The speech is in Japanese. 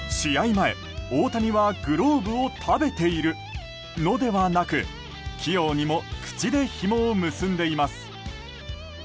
前、大谷はグローブを食べているのではなく器用にも口でひもを結んでいます。